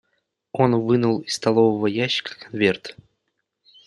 Он вынул из столового ящика конверт.